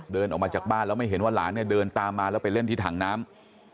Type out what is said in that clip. เดินออกมาจากบ้านแล้วไม่เห็นว่าหลานเนี่ยเดินตามมาแล้วไปเล่นที่ถังน้ำ